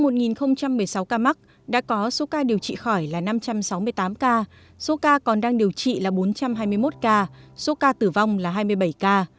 trong một một mươi sáu ca mắc đã có số ca điều trị khỏi là năm trăm sáu mươi tám ca số ca còn đang điều trị là bốn trăm hai mươi một ca số ca tử vong là hai mươi bảy ca